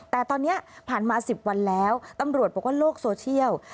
แต่ตอนนี้ผ่านมา๑๐วันแล้วตำรวจบอกว่าโลกโซเชียล